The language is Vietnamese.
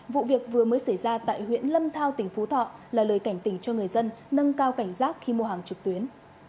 vụ việc vừa mới xảy ra tại huyện lâm thao tỉnh phú thọ là lời cảnh tỉnh cho người dân nâng cao cảnh giác khi mua hàng trực tuyến